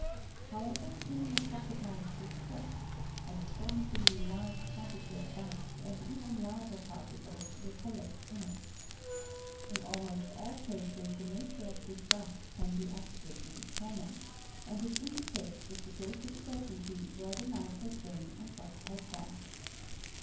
However clean a pocket knife be kept, an as _ tonishingly large quantity of dust and even larger particles will collect in it. In almost all cases the nature of this dust can be accurately deter mined, and it indicates with the greatest certainty where the knife has been and what it has done.